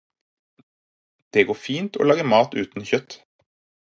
Det går fint å lage mat uten kjøtt.